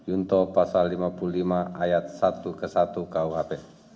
atau pasal lima belas ayat satu ke satu kuhp